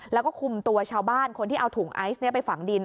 แล้วก็คุมตัวชาวบ้านคนที่เอาถุงไอซ์ไปฝังดิน